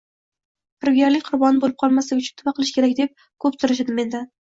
Firibgarlik qurboni boʻlib qolmaslik uchun nima qilish kerak deb koʻp soʻrashadi mendan.